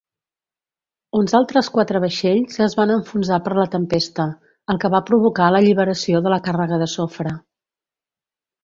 Uns altres quatre vaixells es van enfonsar per la tempesta, el que va provocar l'alliberació de la càrrega de sofre.